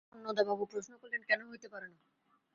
অন্নদাবাবু প্রশ্ন করলেন, কেন হইতে পারে না?